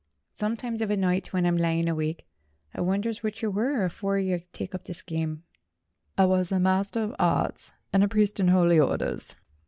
Sometimes of a night, when I'm lyin' awike, I wunners whort yer was afore yer took up with this game." "I was a Master of Arts and a priest in Holy Orders."